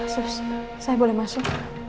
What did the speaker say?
sus saya boleh masuk